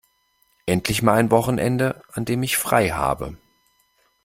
Endlich mal ein Wochenende, an dem ich frei habe!